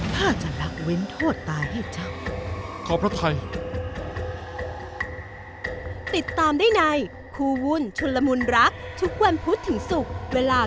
ข้าจะหลักเว้นโทษตายให้เจ้า